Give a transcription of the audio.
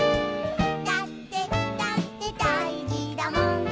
「だってだってだいじだもん」